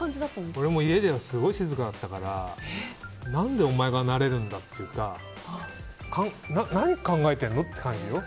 俺も家ではすごい静かだったから何でお前がなれるんだというか何考えてんの？って感じよ。